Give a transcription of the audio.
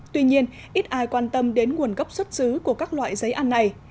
tuy nhiên ít ai quan tâm đến nguồn gốc xuất xứ của các loại giấy ăn này